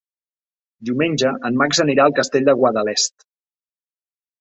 Diumenge en Max anirà al Castell de Guadalest.